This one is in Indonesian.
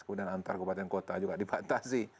kemudian antar kabupaten kota juga dibatasi